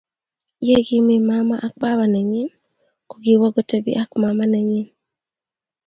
Yikimee mama ak baba nenyin ko kiwo kotepi ak umama nenyin.